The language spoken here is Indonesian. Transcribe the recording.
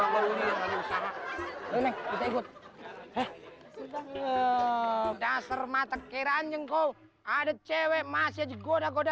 eneg bend got with atermata keranjang kau ada cewek masih goda godain mampus lah kau